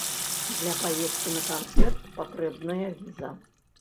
Для паездкі на канцэрт патрэбная віза.